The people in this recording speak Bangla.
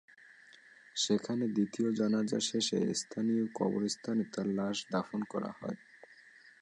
সেখানে দ্বিতীয় জানাজা শেষে স্থানীয় কবরস্থানে তাঁর লাশ দাফন করা হয়।